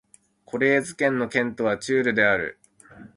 コレーズ県の県都はチュールである